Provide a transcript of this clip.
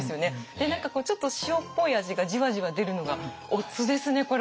で何かこうちょっと塩っぽい味がじわじわ出るのがおつですねこれ。